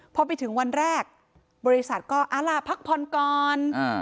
พอไปถึงวันแรกบริษัทก็เอาล่ะพักผ่อนก่อน